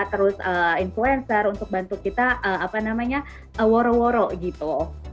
terus influencer untuk bantu kita apa namanya woro woro gitu